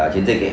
chiến dịch ấy